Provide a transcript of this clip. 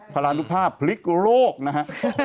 พารานุภาพพลิกโลกนะฮะ